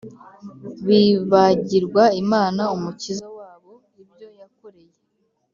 Bibagirwa Imana Umukiza wabo ibyo Yakoreye